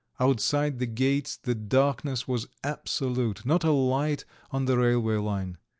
Outside the gates the darkness was absolute, not a light on the railway line.